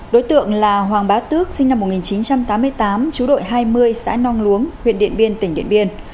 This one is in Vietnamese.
đối tượng là hoàng bá tước sinh năm một nghìn chín trăm tám mươi tám chú đội hai mươi xã nong luống huyện điện biên tỉnh điện biên